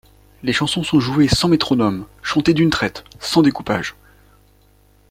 Les chansons sont jouées sans métronome, chantées d’une traite, sans découpage.